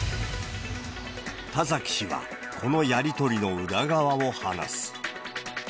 田崎氏は、このやり取りの裏側を話す。